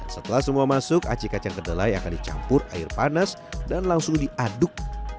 setelah semua masuk aci kacang kedelai akan dicampur air panas dan langsung diaduk